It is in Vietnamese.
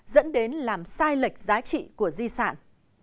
dẫn đến làm sai lệch giá trị của di sản